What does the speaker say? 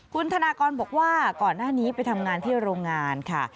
คุณธนากรบอกว่าก่อนหน้านี้ไปทำงานที่โรงงานค่ะ